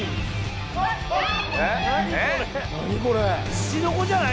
ツチノコじゃない？